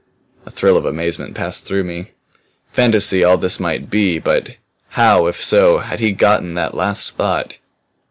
A thrill of amazement passed through me; fantasy all this might be but how, if so, had he gotten that last thought?